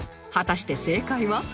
果たして正解は？